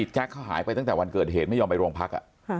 แจ๊คเขาหายไปตั้งแต่วันเกิดเหตุไม่ยอมไปโรงพัก